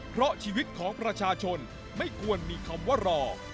เพราะชีวิตของประชาชนไม่ควรมีคำว่ารอ